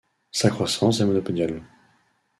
Sa croissance est monopodiale.